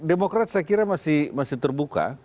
demokrat saya kira masih terbuka